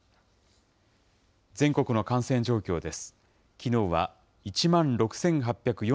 全国の感染状況です。